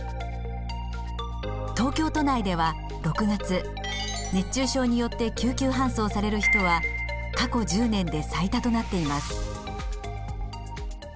東京都内では６月熱中症によって救急搬送される人は過去１０年で最多となっています。